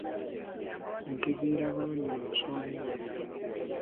Ntegeera bulungi mu nsonga eno.